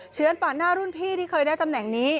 ปาดหน้ารุ่นพี่ที่เคยได้ตำแหน่งนี้